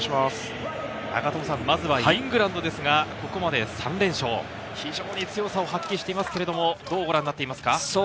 まずはイングランドですが、ここまで３連勝、非常に強さを発揮していますけれども、どうご覧になっていますか？